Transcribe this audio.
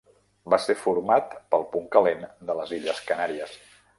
Va ser format pel punt calent de les Illes Canàries.